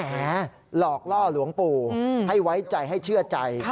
หลอกล่อหลวงปู่ให้ไว้ใจให้เชื่อใจ